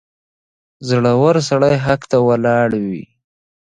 • زړور سړی حق ته ولاړ وي.